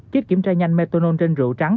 kích kiểm tra nhanh methanol trên rượu trắng